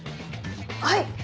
はい！